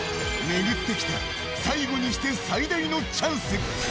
巡ってきた最後にして最大のチャンス。